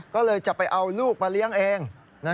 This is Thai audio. ก็เลยจะไปเอาลูกมาเลี้ยงเอง